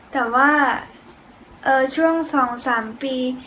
แต่ว่าช่วง๒๓ปี